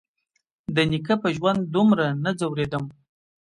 د نيکه په ژوند دومره نه ځورېدم.